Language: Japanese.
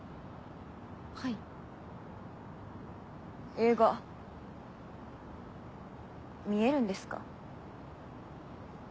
映画見えるんですか？